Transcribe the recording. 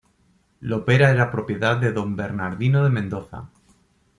Lopera era propiedad de "Don" Bernardino de Mendoza.